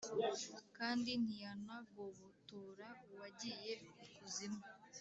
kandi ntiyanagobotora uwagiye Ikuzimu.